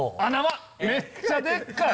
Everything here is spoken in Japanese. めっちゃでっかい。